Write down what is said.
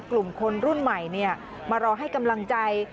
กลุ่มคนรุ่นใหม่มารอให้กำลังใจ